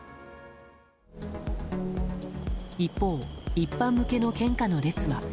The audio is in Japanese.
一方、一般向けの献花の列は。